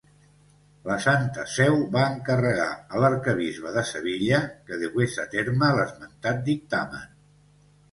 La Santa Seu va encarregar a l'Arquebisbe de Sevilla que dugués a terme l'esmentat dictamen.